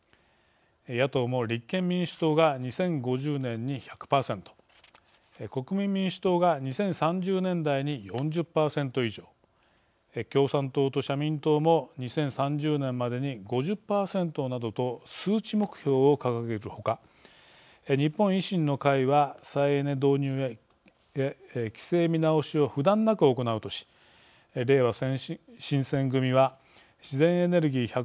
野党も立憲民主党が２０５０年に１００％国民民主党が２０３０年代に４０％以上共産党と社民党も２０３０年までに５０％などと数値目標を掲げるほか日本維新の会は再エネ導入へ規制見直しを不断なく行うとしれいわ新選組は自然エネルギー１００％